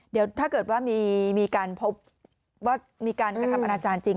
เดี๋ยวถ้าเกิดว่ามีการพบว่ามีการกระทำอนาจารย์จริง